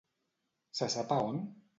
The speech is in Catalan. Se sap a on?